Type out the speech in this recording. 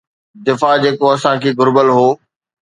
دفاع جيڪو اسان کي گهربل هو.